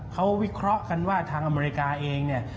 เขาวิเคราะห์กันว่าทางอเมริกาเองเนี่ย